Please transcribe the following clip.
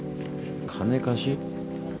金貸し？